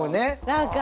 何か。